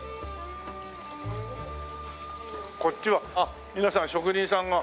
こっちはあっ皆さん職人さんが。